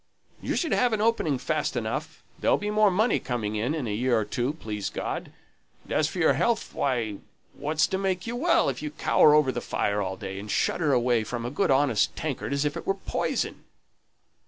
"You should have an opening fast enough. There'll be more money coming in, in a year or two, please God. And as for your health, why, what's to make you well, if you cower over the fire all day, and shudder away from a good honest tankard as if it were poison?"